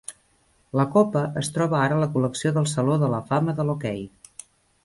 La Copa es troba ara a la col·lecció del Saló de la fama de l'hoquei.